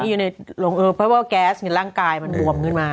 อยู่ในโรงเออเพราะว่าแก๊สในร่างกายมันบวมขึ้นมา